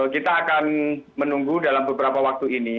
kita akan menunggu dalam beberapa waktu ini